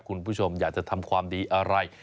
คุณผู้ชมอยากจะทำความดีอะไร